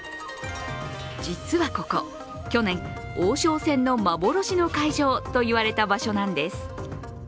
実はここ、去年、王将戦の幻の会場と言われた場所なんです。